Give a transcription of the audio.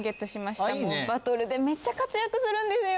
バトルでめっちゃ活躍するんですよ。